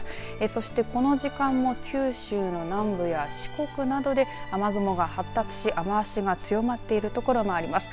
そしてこの時間も九州の南部や四国などで雨雲が発達し雨足が強まっている所もあります。